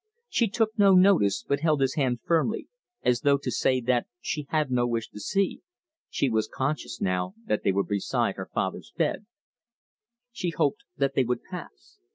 She took no notice, but held his hand firmly, as though to say that she had no wish to see. She was conscious now that they were beside her father's bed. She hoped that they would pass.